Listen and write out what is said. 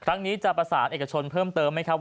ครั้งนี้จะประสานเอกชนเพิ่มเติมไหมครับ